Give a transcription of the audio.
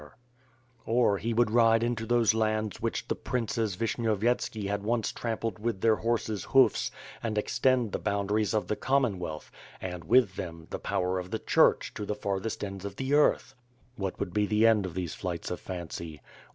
WITH FIRE AND SWORD, 419 Or he would ride into thxise laaids which the Princes Vish nyovyetski had once trampled with their horses' hoofs and extend the boundaries of the Commonwealth and, with them, the power of the Church, to the farthest ends of the earth. What /ould be the end of these flights of fancy.